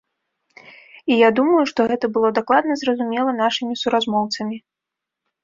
І я думаю, што гэта было дакладна зразумела нашымі суразмоўцамі.